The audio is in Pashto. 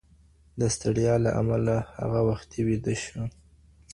د ستړیا له امله هغه وختي ویده شو.